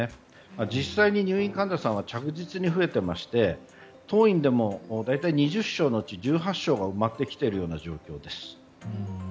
実際に入院患者さんは着実に増えていまして当院でも大体２０床のうち１８床が埋まってきている状況です。